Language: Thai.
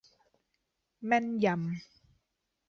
แม่นยำ